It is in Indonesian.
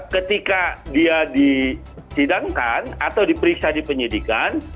ketika dia disidangkan atau diperiksa di penyidikan